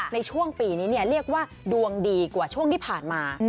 ในช่วงปีนี้เรียกว่าดวงดีกว่าช่วงที่ผ่านมา